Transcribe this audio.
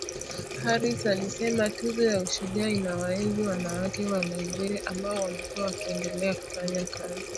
Harris alisema Tuzo ya Ushujaa inawaenzi wanawake wa Liberia ambao wamekuwa wakiendelea kufanya kazi